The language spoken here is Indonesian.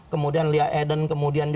kemudian lia eden kemudian